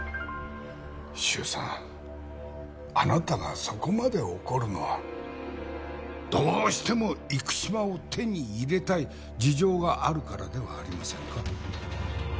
周さんあなたがそこまで怒るのはどうしても生島を手に入れたい事情があるからではありませんか？